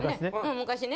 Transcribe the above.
昔ね。